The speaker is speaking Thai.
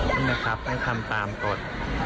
ขออนุญาตนะครับให้ทำตามกฎ